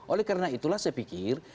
oleh karena itulah saya pikir